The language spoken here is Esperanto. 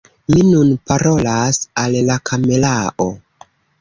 Mi nun parolas al la kamerao!